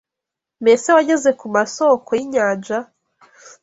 Mbese wageze ku masōko y’inyanja?